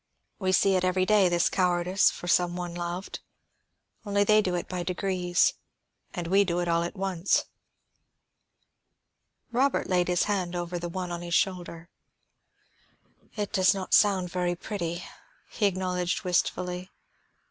We see it every day, this cowardice for some one loved. Only they do it by degrees, and we do it all at once." Robert laid his hand over the one on his shoulder. "It does not sound very pretty," he acknowledged wistfully.